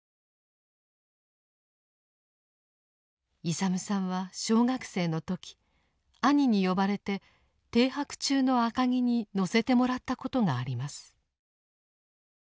勇さんは小学生の時兄に呼ばれて停泊中の赤城に乗せてもらったことがあります。